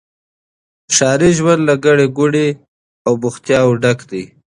ښاري ژوند له ګڼي ګوڼي او بوختياوو ډک دی.